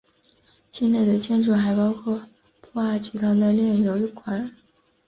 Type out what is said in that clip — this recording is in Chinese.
境内的建筑还包括布阿集团的炼油厂等。